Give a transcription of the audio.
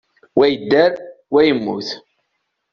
Wa yedder, wa yemmut.